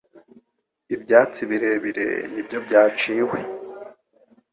ibyatsi birebire nibyo byaciwe